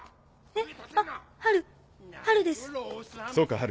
えっ？